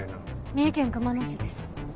三重県熊野市です。